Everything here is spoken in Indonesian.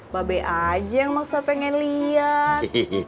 babe aja yang maksa pengen lihat